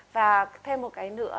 và thêm một cái nữa